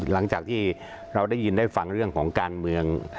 หลังจากที่เราได้ยินได้ฟังเรื่องของการเมือง